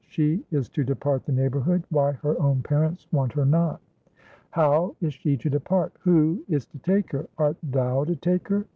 She is to depart the neighborhood; why, her own parents want her not." "How is she to depart? Who is to take her? Art thou to take her?